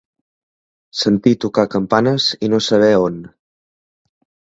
Sentir tocar campanes i no saber on.